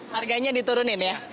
harganya diturunin ya